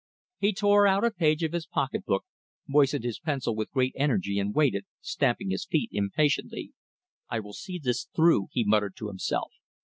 He tore out a page of his pocketbook, moistened his pencil with great energy and waited, stamping his feet impatiently. "I will see this thing through," he muttered to himself.